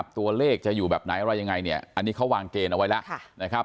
ตัวเลขจะอยู่แบบไหนอะไรยังไงอันนี้เขาวางเกณฑ์เอาไว้แล้ว